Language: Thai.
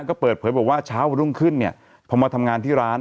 ก็เปิดเผยบอกว่าเช้าวันรุ่งขึ้นเนี่ยพอมาทำงานที่ร้าน